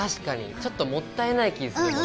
ちょっともったいない気するもんね。